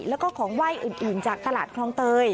แล้วก็ของไหว้อื่นจากตลาดคลองเตย